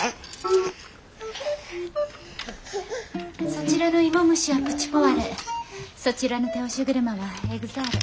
そちらのイモムシはプチポワレそちらの手押し車はエグザーレ。